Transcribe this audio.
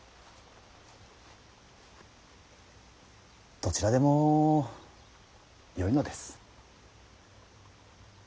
どちらでもよいのです。